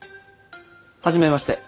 初めまして。